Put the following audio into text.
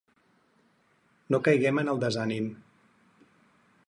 No caiguem en el desànim.